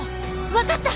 分かった！